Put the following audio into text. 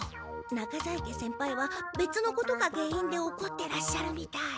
中在家先輩はべつのことが原因でおこってらっしゃるみたい。